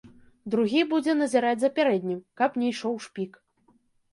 Другі будзе назіраць за пярэднім, каб не ішоў шпік.